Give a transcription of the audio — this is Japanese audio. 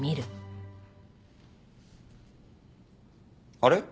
あれ？